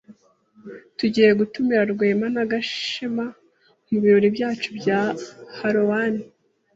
Tugiye gutumira Rwema na Gashema mubirori byacu bya Halloween.